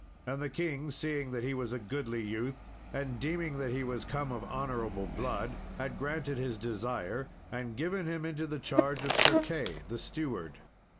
And the king seeing that he was a goodly youth, and deeming that he was come of honourable blood, had granted his desire, and given him into the charge of Sir Key, the steward.